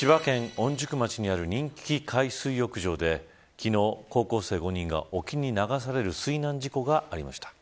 御宿町にある人気海水浴場で昨日、高校生５人が沖に流される水難事故がありました。